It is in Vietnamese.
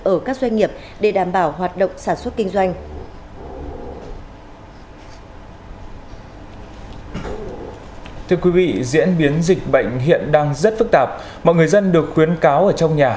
ở các doanh nghiệp để đảm bảo hoạt động sản xuất kinh doanh